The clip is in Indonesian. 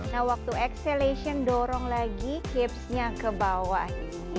nah waktu exhalation dorong lagi tipsnya ke bawah